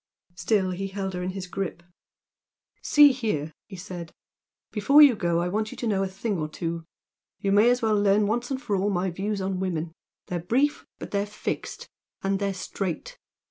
Still he held her in his grip. "See here!" he said "Before you go I want yon to know a thing or two, you may as well learn once for all my views on women. They're brief, but they're fixed. And they're straight!